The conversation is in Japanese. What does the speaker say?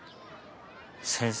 先生